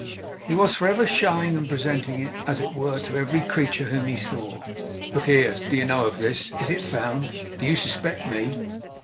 He was for ever showing and presenting it, as it were, to every creature whom he saw. 'Look here! Do you know of this? Is it found? Do you suspect ME?